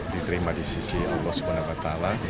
diterima di sisi allah swt